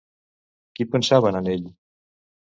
Qui pensaven en ell?